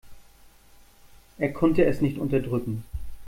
Er konnte es nicht unterdrücken.